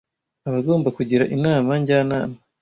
abagomba kugira Inama Njyanama